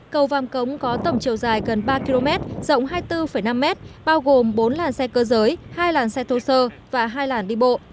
cầu vàm cống có tổng chiều dài gần ba km rộng hai mươi bốn năm m bao gồm bốn làn xe cơ giới hai làn xe thô sơ và hai làn đi bộ